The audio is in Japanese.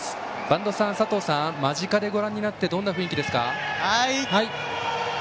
間近でご覧になってどんな雰囲気ですか？